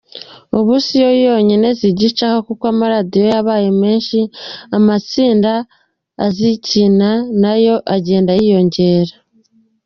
Ubu siyo yonyine zigicaho kuko amaradiyo yabaye menshi, amatsinda azikina nayo agenda yiyongera.